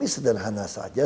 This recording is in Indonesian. ini sederhana saja